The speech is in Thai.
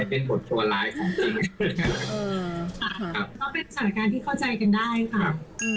ก็เป็นสถานการณ์ที่เข้าใจกันได้ค่ะ